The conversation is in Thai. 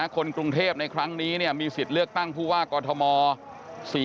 คนกรุงเทพในครั้งนี้มีสิทธิ์เลือกตั้งผู้ว่ากอทม